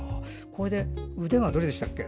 腕はどれでしたっけ？